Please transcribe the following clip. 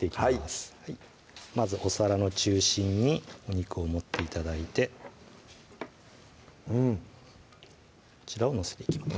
はいまずお皿の中心にお肉を盛って頂いてうんこちらを載せていきます